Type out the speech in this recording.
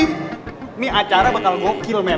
ini acara bakal gokil men